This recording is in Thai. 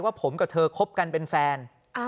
ผมกับเธอคบกันเป็นแฟน